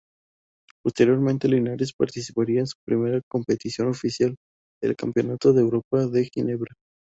Posteriormente, Linares participaría en su primera competición oficial, el Campeonato de Europa de Ginebra.